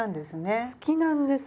好きなんです。